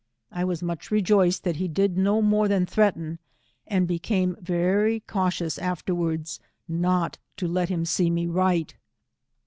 I was much rejoiced that he did no more than threaten, and became very cautious afterwards not to let him see me write.